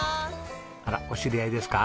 あらお知り合いですか？